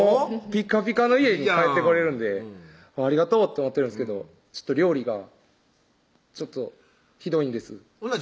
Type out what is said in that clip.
ピカピカの家に帰ってこれるんでありがとうって思ってるんですけど料理がちょっとひどいんですほな